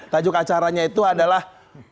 tajuk acaranya itu adalah